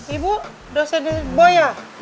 ibu dosennya boy ya